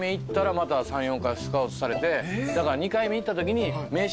だから２回目行ったときに。